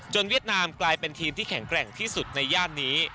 เวียดนามกลายเป็นทีมที่แข็งแกร่งที่สุดในย่านนี้